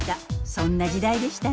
そんな時代でしたね。